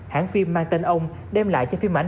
hãng phim mang tên ông đem lại cho phim ảnh